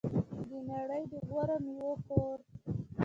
د نړۍ د غوره میوو کور.